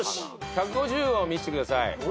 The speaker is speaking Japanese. １５０を見してください。